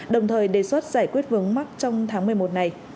đồng thời đề xuất giải quyết vướng mắc trong tháng một mươi một này